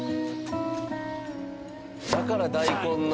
だから大根の。